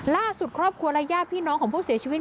ล่าสุดครอบครัวและญาติพี่น้องของผู้เสียชีวิต